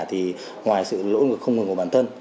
thì ngoài sự lỗi không ngừng của bản thân